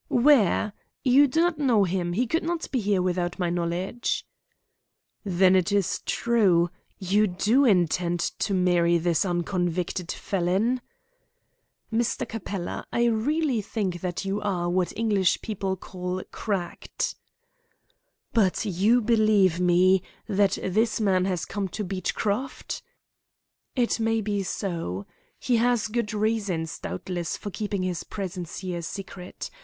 "Where? You do not know him. He could not be here without my knowledge." "Then it is true. You do intend to marry this unconvicted felon?" "Mr. Capella, I really think you are what English people call 'cracked.'" "But you believe me that this man has come to Beechcroft?" "It may be so. He has good reasons, doubtless, for keeping his presence here a secret.